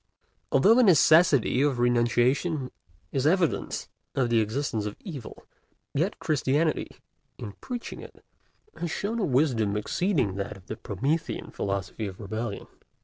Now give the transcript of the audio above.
Although the necessity of renunciation is evidence of the existence of evil, yet Christianity, in preaching it, has shown a wisdom exceeding that of the Promethean philosophy of rebellion.